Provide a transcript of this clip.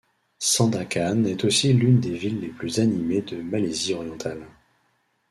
Sandakan est aussi l'une des villes les plus animées de Malaisie orientale.